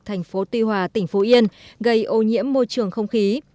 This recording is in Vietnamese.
thành phố tuy hòa tỉnh phú yên gây ô nhiễm môi trường không khí